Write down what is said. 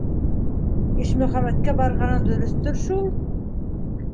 Ишмөхәмәткә барғаның дөрөҫтөр шул?